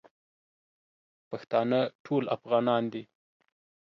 پښتانه ټول افغانان دي